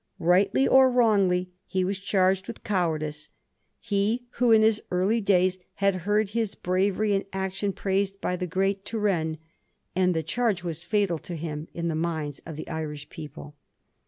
Rightly or wrongly, he was charged with cowardice — ^he who in his early days had heard his bravery in action praised by the great Turenne — and the charge was fatal to him in the minds of the Irish people.